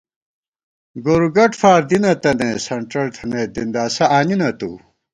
گورُو گٹ فار دی نہ تنَئیس ہنڄڑ تھنَئیت دِنداسہ آنی نہ تُو